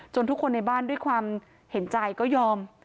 ทุกคนในบ้านด้วยความเห็นใจก็ยอม